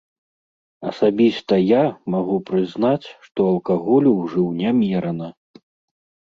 Асабіста я магу прызнаць, што алкаголю ўжыў нямерана.